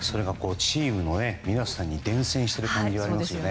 チームの皆さんに伝染している感じがありますよね。